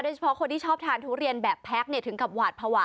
เฉพาะคนที่ชอบทานทุเรียนแบบแพ็คถึงกับหวาดภาวะ